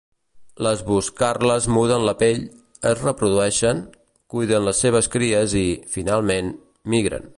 Les boscarles muden la pell, es reprodueixen, cuiden les seves cries i, finalment, migren.